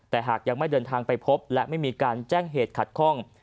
แต่หากยังไม่เดินทางไปพบและไม่มีการแจ้งเหตุขัดข้อง